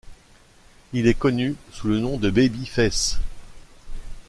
Il est connu sous le nom de Babyface.